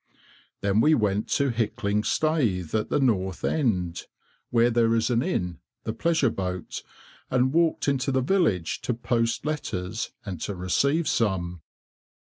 Then we went to Hickling staithe, at the north end, where there is an inn, the "Pleasure Boat," and walked into the village to post letters, and to receive some.